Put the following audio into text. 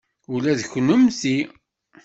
Ula d kunemti.